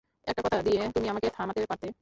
একটা কথা দিয়ে তুমি আমাকে থামাতে পারতে।